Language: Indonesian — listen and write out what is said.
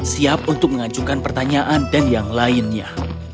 siap untuk mengajukan pertanyaan dan yang lainnya